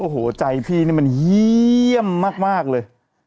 โอ้โหใจพี่นี่มันเยี่ยมมากเลย